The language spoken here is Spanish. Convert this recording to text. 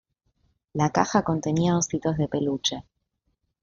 La caja contenía ositos de peluche.